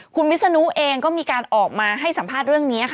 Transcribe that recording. คุณวิศนุเองก็มีการออกมาให้สัมภาษณ์เรื่องนี้ค่ะ